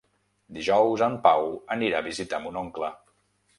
Dijous en Pau anirà a visitar mon oncle.